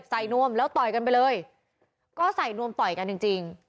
นวมแล้วต่อยกันไปเลยก็ใส่นวมต่อยกันจริงจริง